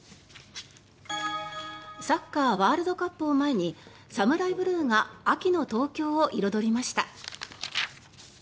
サッカーワールドカップを前にサムライ・ブルーが秋の東京を彩りました。